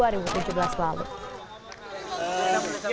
rizal diperiksa sebagai saksi